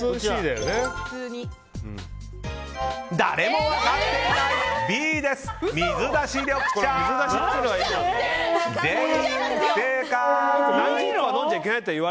誰も分かっていない！